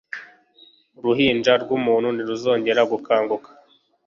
uruhinja rwumuntu ntiruzongera gukanguka